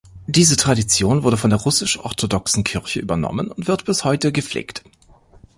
Diese Tradition wurde von der russisch-orthodoxen Kirche übernommen und wird bis heute gepflegt.